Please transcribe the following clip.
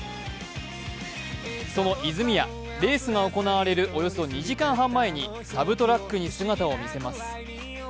その泉谷、レースが行われるおよそ２時間半前にサブトラックに姿を見せます。